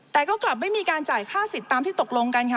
แต่ก็กลับไม่มีการจ่ายค่าสิทธิ์ตามที่ตกลงกันค่ะ